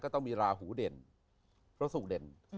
ก็ต้องมีราหูเด่นเพราะสุขเด่น